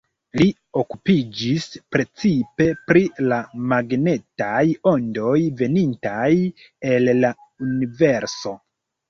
Li okupiĝis precipe pri la magnetaj ondoj venintaj el la universo.